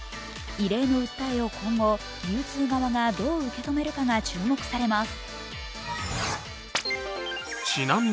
異例の訴えを今後、流通側がどう受け止めるかが注目されます。